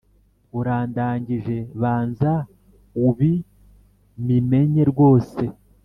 urandangije banza ubimimenye rwose